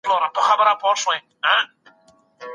هر څوک کولای سي، چي د جنابت په حال کي بيده سي.